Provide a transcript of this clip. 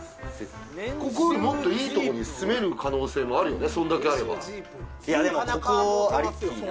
ここよりもっといいところに住める可能性もあるよね